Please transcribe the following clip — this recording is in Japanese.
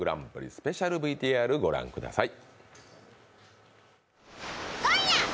スペシャルＶＴＲご覧ください。